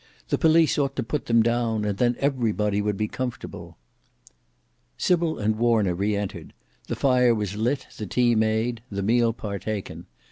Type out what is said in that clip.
The police ought to put them down, and then every body would be comfortable." Sybil and Warner re entered; the fire was lit, the tea made, the meal partaken.